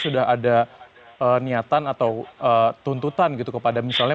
sudah ada niatan atau tuntutan gitu kepada misalnya